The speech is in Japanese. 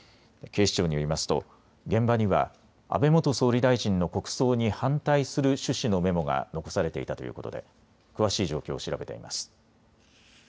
警視庁によりますと現場には安倍元総理大臣の国葬に反対する趣旨のメモが残されていたということで詳しい状況を調べています。